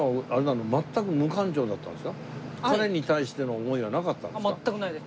彼に対しての思いはなかったんですか？